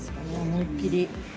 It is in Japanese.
思いっ切り。